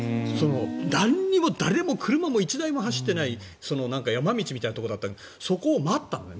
なんにも誰も車も１台も走ってない山道みたいなところだったけどそこを待ったのね。